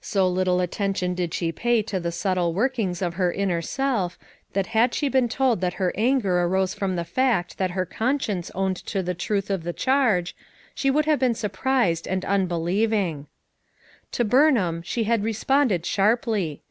So little attention did she pay to the subtle workings of her inner self that had she been told that her anger arose from the fact that her conscience owned to the truth of the charge, she would have been surprised and un believing. To Burnham she had responded sharply.